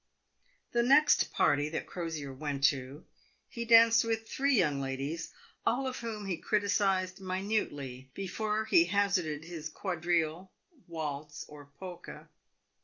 The next party that Crosier went to, he danced with three young ladies, all of whom he criticised minutely before he hazarded his quadrille, waltz, or polka.